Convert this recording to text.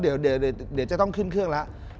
เดี๋ยวจะต้องขึ้นเครื่องแล้ว